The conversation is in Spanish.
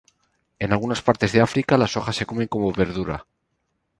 En algunas partes de África, las hojas se comen como verdura.